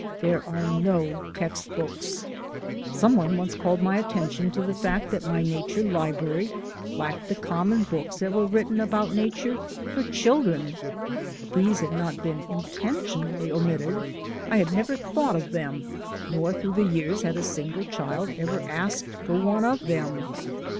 There are no text books. Someone once called my attention to the fact that my nature library lacked the common books that were written about nature for children. These had not been intentionally omitted. I had never thought of them, nor, through the years, had a single child ever asked for one of them.